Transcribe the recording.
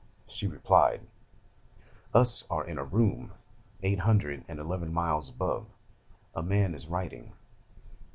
She replied, "Us are in a room, eight hundred and eleven miles above. A man is writing.